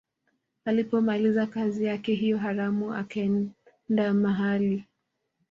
Alipomaliza kazi yake hiyo haramu akaenda mahali